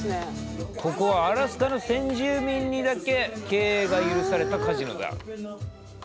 ここはアラスカの先住民にだけ経営が許されたカジノだ。